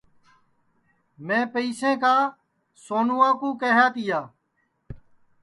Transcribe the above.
میں پئیسے کا سونوا کیہیا تیا